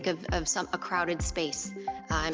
dan orang orang sangat dekat dengan satu sama lain